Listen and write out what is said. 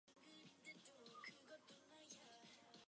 The northwestern part is rugged in comparison to the south.